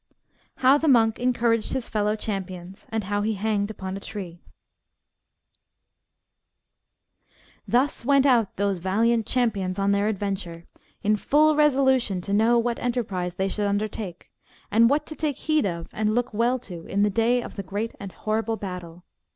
How the Monk encouraged his fellow champions, and how he hanged upon a tree. [Illustration: Valiant Champions on Their Adventure 1 42 086] Thus went out those valiant champions on their adventure, in full resolution to know what enterprise they should undertake, and what to take heed of and look well to in the day of the great and horrible battle.